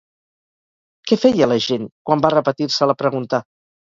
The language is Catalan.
Què feia la gent, quan va repetir-se la pregunta?